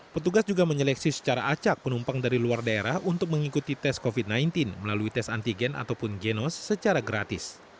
petugas juga menyeleksi secara acak penumpang dari luar daerah untuk mengikuti tes covid sembilan belas melalui tes antigen ataupun genos secara gratis